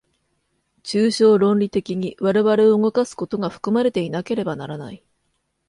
抽象論理的に我々を動かすことが含まれていなければならない。